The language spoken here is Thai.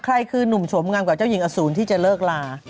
ใครคือนุ่มโฉมงามกว่าเจ้าหญิงอสูรที่จะเลิกลา